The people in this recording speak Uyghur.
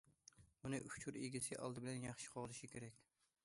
ئۇنى ئۇچۇر ئىگىسى ئالدى بىلەن ياخشى قوغدىشى كېرەك.